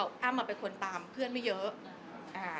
อ้ำเป็นคนตามเพื่อนไม่เยอะ